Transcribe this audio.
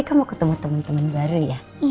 kamu ketemu teman teman baru ya